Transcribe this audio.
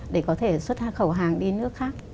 để có thể xuất khẩu hàng đi nước khác